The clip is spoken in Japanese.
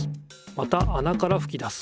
またあなからふき出す。